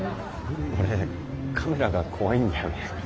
俺カメラが怖いんだよね。